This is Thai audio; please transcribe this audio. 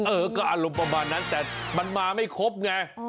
เออก็อารมณ์ประมาณนั้นแต่มันมาไม่ครบไง